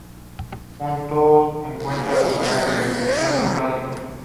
Juntos, encuentran personajes de ficción clásicos.